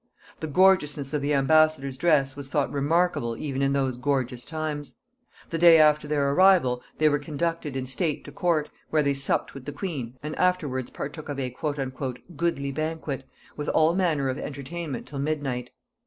The gorgeousness of the ambassador's dress was thought remarkable even in those gorgeous times. The day after their arrival they were conducted in state to court, where they supped with the queen, and afterwards partook of a "goodly banquet," with all manner of entertainment till midnight.